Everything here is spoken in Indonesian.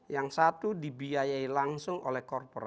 yang satu dibiayai langsung oleh korporasi